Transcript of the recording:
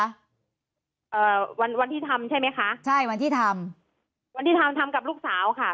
เอ่อวันวันที่ทำใช่ไหมคะใช่วันที่ทำวันที่ทำทำกับลูกสาวค่ะ